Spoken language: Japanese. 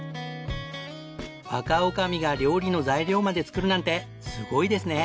若女将が料理の材料まで作るなんてすごいですね！